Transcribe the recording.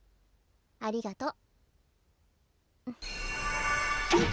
ありがとう。